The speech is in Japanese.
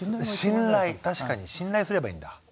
確かに信頼すればいいんだ。